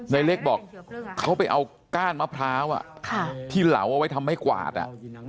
ในเล็กบอกเขาไปเอาก้านมะพร้าวที่เหลาเอาไว้ทำให้กวาดอ่ะ